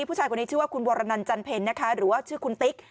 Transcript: ผู้ชายคนนี้ชื่อว่าคุณวรนันจันเพ็ญนะคะหรือว่าชื่อคุณติ๊ก